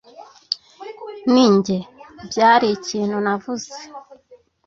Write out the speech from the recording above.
ninjye? byari ikintu navuze.